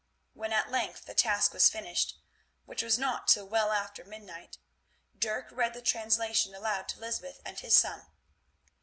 When at length the task was finished, which was not till well after midnight, Dirk read the translation aloud to Lysbeth and his son.